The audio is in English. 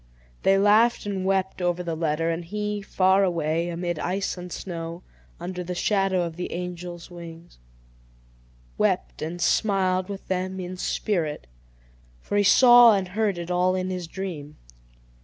They laughed and wept over the letter; and he, far away, amid ice and snow, under the shadow of the angel's wings, wept and smiled with them in spirit; for he saw and heard it all in his dream.